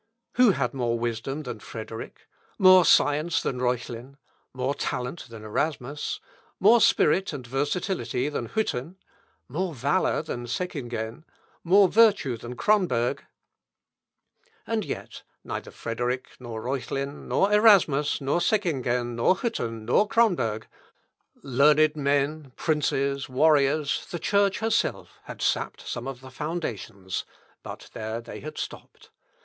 Who had more wisdom than Frederick? More science than Reuchlin? More talent than Erasmus? More spirit and versatility than Hütten? More valour than Seckingen? More virtue than Cronberg? And yet, neither Frederick, nor Reuchlin, nor Erasmus, nor Seckingen, nor Hütten, nor Cronberg.... Learned men, princes, warriors, the Church herself, had sapped some of the foundations: but there they had stopped.